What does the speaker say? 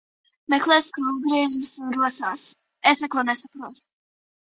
Meklē skrūvgriežus un rosās. Es neko nesaprotu.